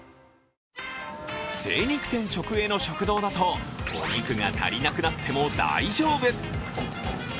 精肉店直営の食堂だとお肉が足りなくなっても大丈夫。